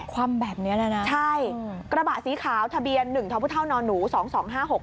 ความแบบเนี้ยน่ะน่ะใช่กระบะสีขาวทะเบียนหนึ่งท้อผู้เท่านอนหนูสองสองห้าหก